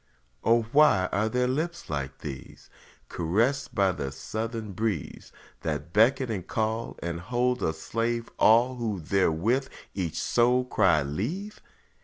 O why are there lips like these? Caressed by the southern breeze, That beckon and call and hold a slave All who therewith each soul cry leave?